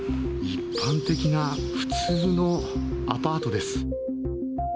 一般的な普通のアパートです。